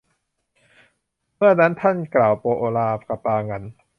เมื่อนั้นท่านท้าวโปลากะปาหงัน